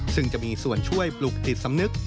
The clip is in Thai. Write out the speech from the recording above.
ซึ่งจะมีส่วนช่วยปลุกจิตสำนึก